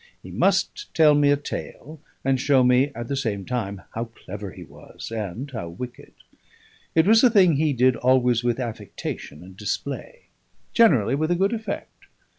He must tell me a tale, and show me at the same time how clever he was, and how wicked. It was a thing he did always with affectation and display; generally with a good effect.